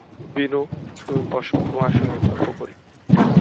বিনু, তুমি বস, তোমার সঙ্গে গল্প করি।